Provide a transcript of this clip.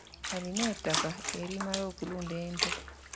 Alina ettaka erimala okulunda ente .